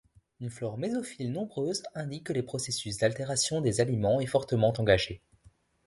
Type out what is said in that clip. Une flore mésophile nombreuse indique que le processus d'altération des aliments est fortement engagé.